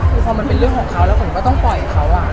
คือพอมันเป็นเรื่องของเขาแล้วผมก็ต้องปล่อยเขา